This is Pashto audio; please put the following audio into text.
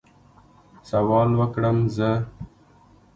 سوال وکړم زه؟